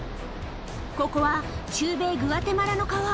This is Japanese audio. ここは中米グアテマラの川。